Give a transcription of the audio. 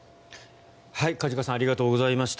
梶川さんありがとうございました。